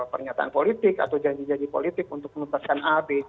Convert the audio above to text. pernyataan politik atau janji janji politik untuk menutaskan a b c